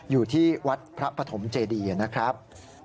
อยู่ที่วัดพระปฐมเจดีนะครับ